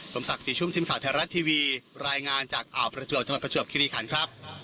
สมสักสิมชุมทีมข่าวฮร์ธรร็าสท์ทีวีรายงานจากอาวประจวบจำวประจวบคินีฆานครับ